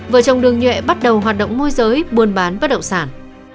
vợ chồng đường nhuệ bắt đầu hoạt động môi giới buôn bán bất động sản